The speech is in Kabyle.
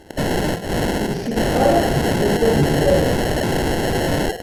Ur cikkeɣ ara zemrent ad gent aya.